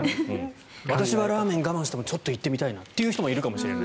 私はラーメン我慢しても行ってみたいなっていう人もいるかもしれない。